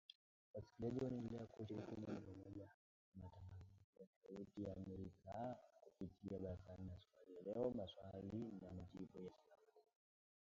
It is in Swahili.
Wasikilizaji waendelea kushiriki moja kwa moja hasa katika matangazo yetu ya Sauti ya Amerika kupitia ‘Barazani’ na ‘Swali la Leo’, 'Maswali na Majibu', na 'Salamu Zenu'